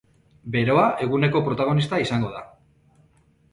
Beroa eguneko protagonista izango da.